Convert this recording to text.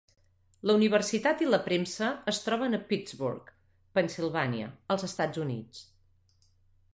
La universitat i la premsa es troben a Pittsburgh, Pennsilvània, als Estats Units.